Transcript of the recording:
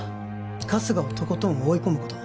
春日をとことん追い込むこと